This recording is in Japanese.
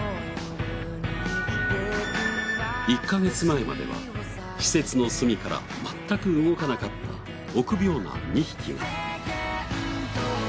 １カ月前までは施設の隅から全く動かなかった臆病な２匹が。